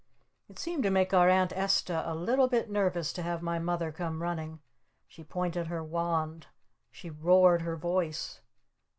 It seemed to make our Aunt Esta a little bit nervous to have my Mother come running. She pointed her wand. She roared her voice.